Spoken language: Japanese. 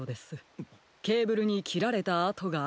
ケーブルにきられたあとがありました。